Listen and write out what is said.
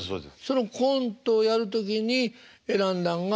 そのコントをやる時に選んだんがあの。